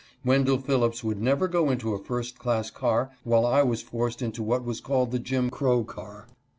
.Wendell Phillips would never go into a first class car while I was forced into what was called the Jim Crow car.